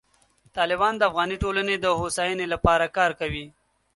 طالبان د افغاني ټولنې د هوساینې لپاره کار کوي.